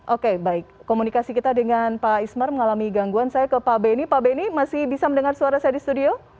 oke baik komunikasi kita dengan pak ismar mengalami gangguan saya ke pak benny pak benny masih bisa mendengar suara saya di studio